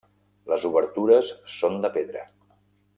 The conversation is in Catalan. Les obertures són de pedra.